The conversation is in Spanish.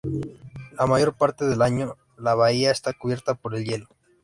La mayor parte del año la bahía está cubierta por el hielo.